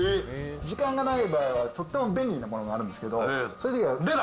時間がない場合はとっても便利なものがあるんですけど、出た。